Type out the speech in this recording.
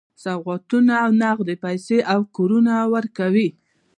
سوغاتونه، نغدي پیسې او کورونه ورکوي.